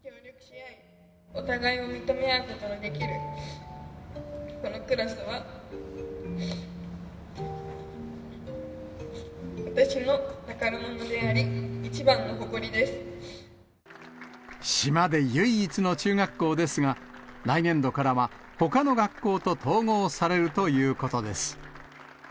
お互いを認め合うことのできるこのクラスは、島で唯一の中学校ですが、来年度からはほかの学校と統合されるということです。